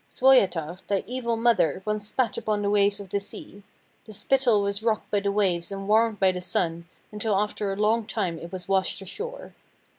Suoyatar, thy evil mother, once spat upon the waves of the sea. The spittle was rocked by the waves and warmed by the sun, until after a long time it was washed ashore.